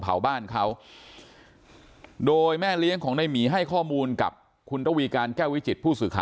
เขาบอกว่าอย่างไรก็ไม่ยอมเลิก